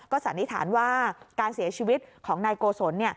สันนิษฐานว่าการเสียชีวิตของนายโกศล